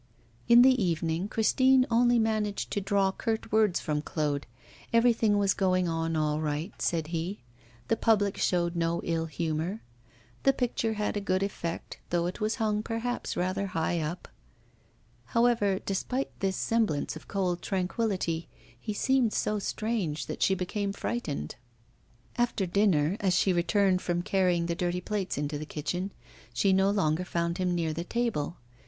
In the evening Christine only managed to draw curt words from Claude; everything was going on all right, said he; the public showed no ill humour; the picture had a good effect, though it was hung perhaps rather high up. However, despite this semblance of cold tranquillity, he seemed so strange that she became frightened. After dinner, as she returned from carrying the dirty plates into the kitchen, she no longer found him near the table.